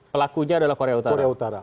pelakunya adalah korea utara